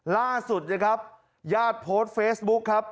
ล่าสุดนะครับญาติโพสต์เฟซบุ๊คครับ